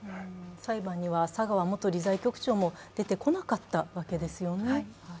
裁判には佐川元理財局長も出てこなかったわけですね。